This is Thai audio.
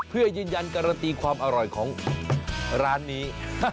เพื่อยืนยันการันตีความอร่อยของร้านนี้